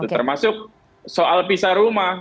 termasuk soal pisah rumah